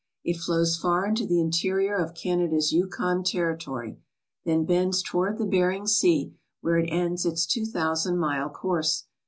It flows far into the interior of Canada's Yukon Territory, then bends toward the Bering Sea, where it ends its two thousand mile course.